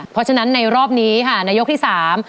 เพราะฉะนั้นในรอบนี้ค่ะในยกที่สาม